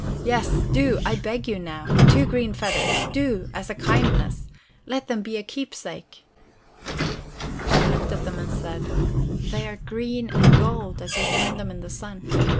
"Yes, do, I beg you, now. Two green feathers. Do, as a kindness, let them be a keepsake." She looked at them and said: "They are green and gold, as you turn them in the sun.